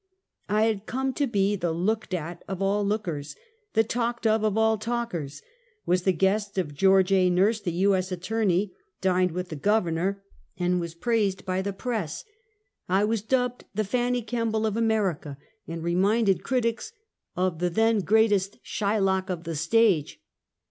I had come to be the looked at of all lookers ; the talked of of all talkers; was the guest of Geo. A. !N"urse, the U. S. Attorney, dined with the Governor, 218 Half a Centukt. and was praised hj the press. I was dubbed the " Fauny Kemble of America," and reminded critics of the then greatest Shylock of the stage.